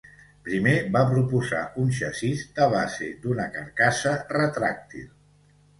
Primer va proposar un xassís de "base d'una carcassa retràctil".